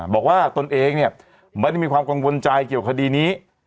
บอกว่าตนเองไม่ได้มีความกังวลใจเกี่ยวกับคดีนี้